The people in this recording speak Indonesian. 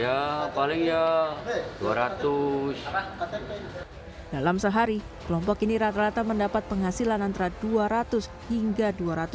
ya paling ya dua ratus dalam sehari kelompok ini rata rata mendapat penghasilan antara dua ratus hingga dua ratus